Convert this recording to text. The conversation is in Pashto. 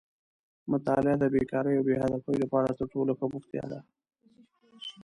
مطالعه د بېکارۍ او بې هدفۍ لپاره تر ټولو ښه بوختیا ده.